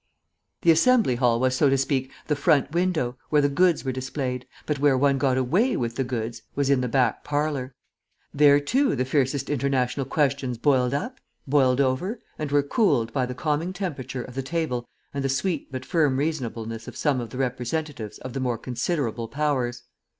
The Assembly Hall was, so to speak, the front window, where the goods were displayed, but where one got away with the goods was in the back parlour. There, too, the fiercest international questions boiled up, boiled over, and were cooled by the calming temperature of the table and the sweet but firm reasonableness of some of the representatives of the more considerable powers.